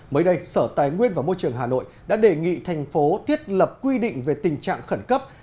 mới đây sở tài nguyên và môi trường hà nội đã đề nghị thành phố thiết lập quy định về tình trạng khẩn cấp